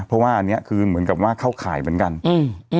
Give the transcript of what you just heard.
เพราะว่าอันเนี้ยคือเหมือนกับว่าเข้าข่ายเหมือนกันอืม